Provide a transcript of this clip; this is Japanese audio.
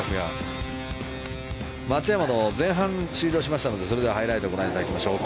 松山が前半、終了しましたのでハイライトをご覧いただきましょう。